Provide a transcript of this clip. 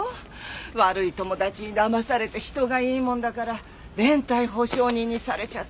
悪い友達にだまされて人がいいもんだから連帯保証人にされちゃって。